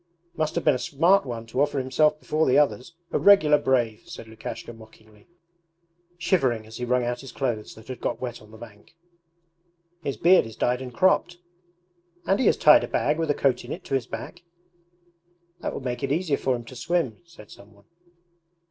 'Must have been a smart one to offer himself before the others; a regular brave!' said Lukashka mockingly, shivering as he wrung out his clothes that had got wet on the bank. 'His beard is dyed and cropped.' 'And he has tied a bag with a coat in it to his back.' 'That would make it easier for him to swim,' said some one.